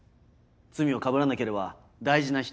罪をかぶらなければ大事な人